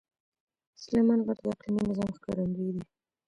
سلیمان غر د اقلیمي نظام ښکارندوی دی.